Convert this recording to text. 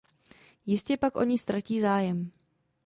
Jistě pak o ni ztratí zájem.